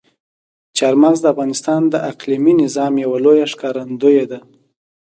چار مغز د افغانستان د اقلیمي نظام یوه لویه ښکارندوی ده.